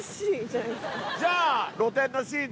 じゃあ。